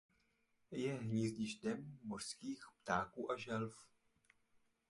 Je hnízdištěm mořských ptáků a želv.